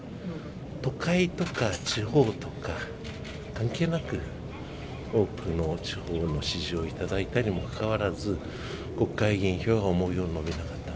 都会とか地方とか関係なく、多くの地方の支持をいただいたにもかかわらず国会議員票が思うように伸びなかった。